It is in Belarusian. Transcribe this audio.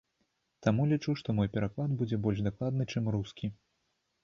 Таму лічу, што мой пераклад будзе больш дакладны, чым рускі.